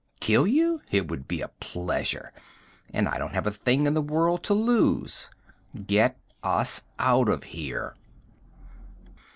Kill you? It would be a pleasure and I don't have a thing in the world to lose! Get us out of here!"